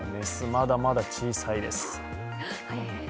まだまだ小さいです。